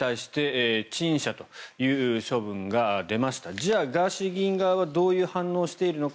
じゃあガーシー議員側はどういう反応をしているのか。